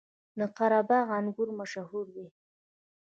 د قره باغ انګور مشهور دي